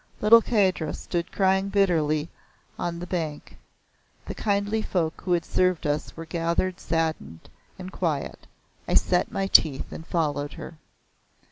Little Kahdra stood crying bitterly on the bank the kindly folk who had served us were gathered saddened and quiet. I set my teeth and followed her.